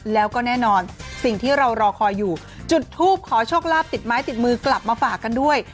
แล้วก็แน่นอนสิ่งที่เรารอคอยอยู่จุดทูปขอโชคลาภติดไม้ติดมือกลับมาฝากกันด้วย